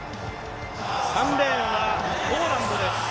３レーンはポーランドです。